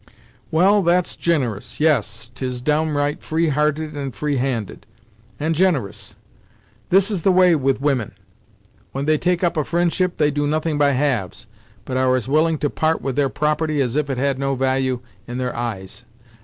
"Well, that's gin'rous, yes, 'tis downright free hearted, and free handed, and gin'rous. This is the way with women; when they take up a fri'ndship, they do nothing by halves, but are as willing to part with their property as if it had no value in their eyes.